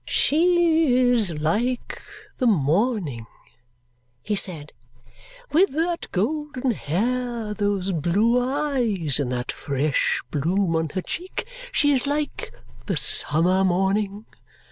"She is like the morning," he said. "With that golden hair, those blue eyes, and that fresh bloom on her cheek, she is like the summer morning.